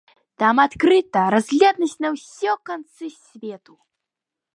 Там адкрыта разлегласць на ўсе канцы свету.